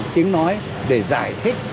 tiếng nói để giải thích